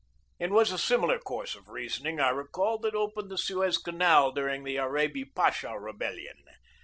It was a similar course of reasoning, I recalled, that opened the Suez Canal during the Arabi Pasha rebellion.